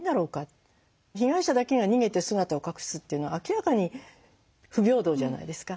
被害者だけが逃げて姿を隠すっていうのは明らかに不平等じゃないですか。